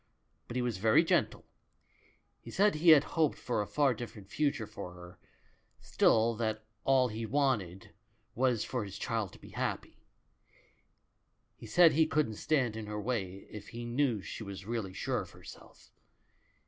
But he was very gentle. He said he had hoped for a far different future for her, still that all he want ed was for his child to be happy; he said he couldn't stand in her way if he knew she was really sure of herself.